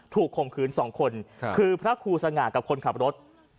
ข่มขืนสองคนคือพระครูสง่ากับคนขับรถ